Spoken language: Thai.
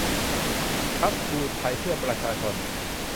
พรรคครูไทยเพื่อประชาชน